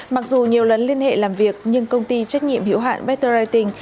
mặc dù nhiều lần liên hệ làm việc nhưng công ty trách nhiệm hiệu hạn better rating